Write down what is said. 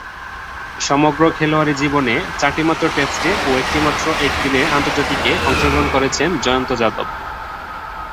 সমগ্র খেলোয়াড়ী জীবনে চারটিমাত্র টেস্টে ও একটিমাত্র একদিনের আন্তর্জাতিকে অংশগ্রহণ করেছেন জয়ন্ত যাদব।